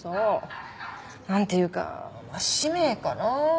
なんていうか使命かな。